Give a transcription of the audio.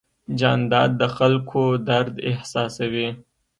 جانداد د خلکو درد احساسوي.